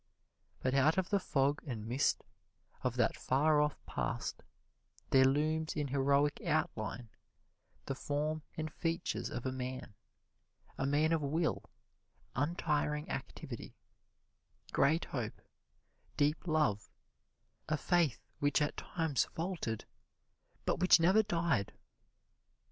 But out of the fog and mist of that far off past there looms in heroic outline the form and features of a man a man of will, untiring activity, great hope, deep love, a faith which at times faltered, but which never died.